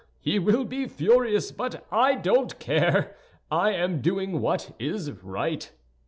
He will be furious; but I don't care. I am doing what is right."